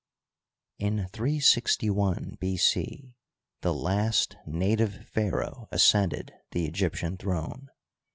— In 361 B. C. the last native pharaoh ascended the Egyptian throne.